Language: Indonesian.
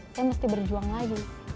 saya mesti berjuang lagi